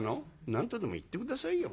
「何とでも言って下さいよ